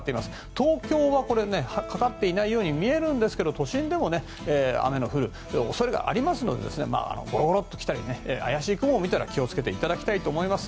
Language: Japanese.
東京はかかっていないように見えるんですが都心でも雨の降る恐れがありますのでゴロゴロと来たり怪しい雲を見たら気をつけていただきたいと思います。